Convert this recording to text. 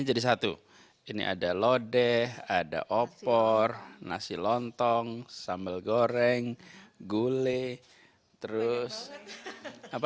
satu ini ada lodeh ada opor nasi lontong sambal goreng gulai terus apa